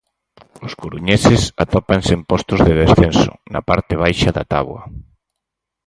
Os coruñeses atópanse en postos de descenso, na parte baixa da táboa.